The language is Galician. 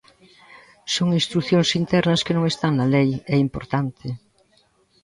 Son instrucións internas que non están na lei, é importante.